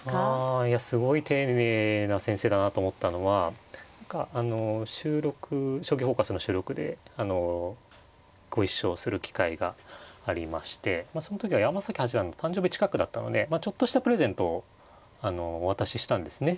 いやすごい丁寧な先生だなと思ったのはあの「将棋フォーカス」の収録であのご一緒する機会がありましてその時は山崎八段の誕生日近くだったのでちょっとしたプレゼントをお渡ししたんですね。